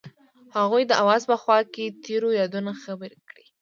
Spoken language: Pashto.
هغوی د اواز په خوا کې تیرو یادونو خبرې کړې.